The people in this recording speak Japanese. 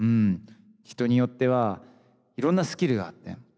人によってはいろんなスキルがあって。